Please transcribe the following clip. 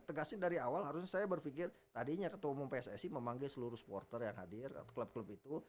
tegasnya dari awal harusnya saya berpikir tadinya ketua umum pssi memanggil seluruh supporter yang hadir atau klub klub itu